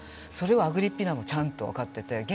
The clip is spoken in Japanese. それをアグリッピナもちゃんと分かってて。